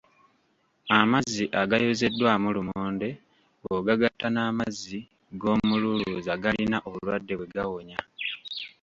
Amazzi agayozeddwamu lumonde bw’ogagatta n’amazzi g’omululuuza galina obulwadde bwe gawonya.